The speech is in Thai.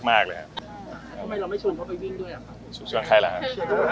ทำไมเราไม่ช่วงเขาไปรี่ง